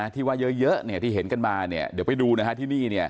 ที่ว่าเยอะที่เห็นกันมาเดี๋ยวไปดูที่นี่